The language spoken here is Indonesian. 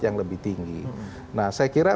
yang lebih tinggi nah saya kira